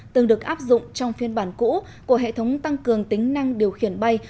từng được áp dụng trong phiên bản cũ của hệ thống tăng cường tính năng điều khiển bay